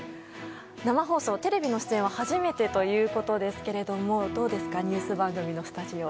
生放送テレビの出演は初めてということですがどうですかニュース番組のスタジオ。